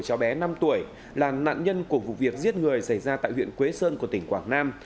cháu bé năm tuổi là nạn nhân của vụ việc giết người xảy ra tại huyện quế sơn của tỉnh quảng nam